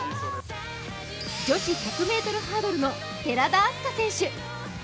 女子１００ｍハードルの寺田明日香選手。